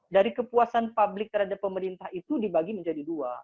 dari kepuasan publik terhadap pemerintah itu dibagi menjadi dua